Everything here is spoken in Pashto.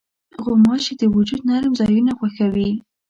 غوماشې د وجود نرم ځایونه خوښوي.